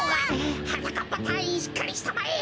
はなかっぱたいいんしっかりしたまえ！